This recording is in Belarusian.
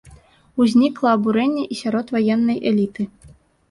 Узнікла абурэнне і сярод ваеннай эліты.